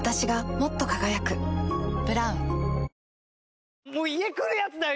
わかるぞもう家来るやつだよ